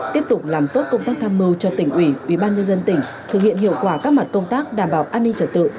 tiếp tục làm tốt công tác tham mưu cho tỉnh ủy ubnd tỉnh thực hiện hiệu quả các mặt công tác đảm bảo an ninh trật tự